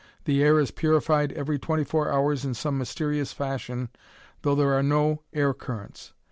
The air is purified every twenty four hours in some mysterious fashion, though there are no air currents.